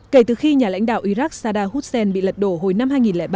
kể từ khi nhà lãnh đạo iraq sadah hussein bị lật đổ hồi năm hai nghìn ba